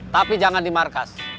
tapi jangan di markas